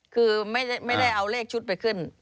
คือไม่ได้เอาเลขชุดไปขึ้น